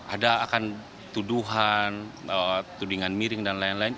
ada akan tuduhan tudingan miring dan lain lain